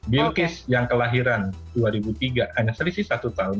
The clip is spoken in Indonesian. billcas yang kelahiran dua ribu tiga hanya selisih satu tahun